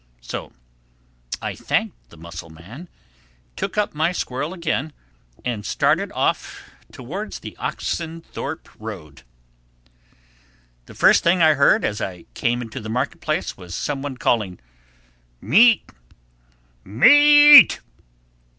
So I thanked the mussel man, took up my squirrel again and started off towards the Oxenthorpe Road. The first thing I heard as I came into the market place was some one calling "Meat! M E A T!"